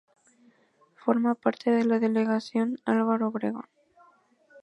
Forma parte de la Delegación Álvaro Obregón.